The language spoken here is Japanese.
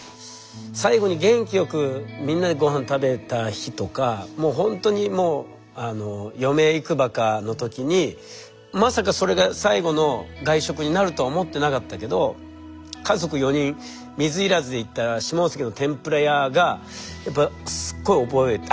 最後に元気よくみんなで御飯食べた日とかもうほんとにもう余命いくばくかの時にまさかそれが最後の外食になるとは思ってなかったけど家族４人水入らずで行った下関の天ぷら屋がやっぱすっごい覚えあ